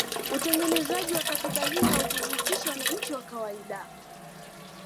Utengenezaji wa katiba hii haukuhusisha wananchi wa kawaida